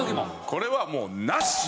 これはもうナシ！